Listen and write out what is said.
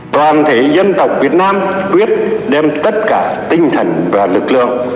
toàn thể dân tộc việt nam quyết đem tất cả tinh thần và lực lượng